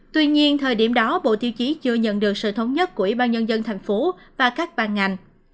tuy nhiên thời điểm đó bộ tiêu chí chưa nhận được sự thống nhất của ủy ban nhân dân tp và các ban ngành